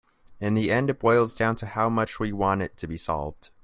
In the end it boils down to how much we want it to be solved.